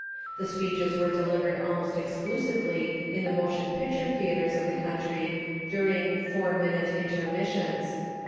The speeches were delivered almost exclusively in the motion picture theatres of the country during "four minute" intermissions.